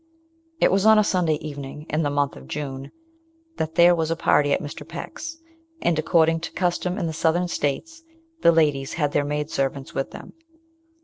It was on a Sunday evening, in the month of June, that there was a party at Mr. Peck's, and, according to custom in the Southern States, the ladies had their maid servants with them.